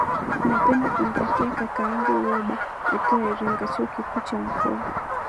napenda kumtakia kakangu roba akiwa iringa chuo kikuu cha mkoa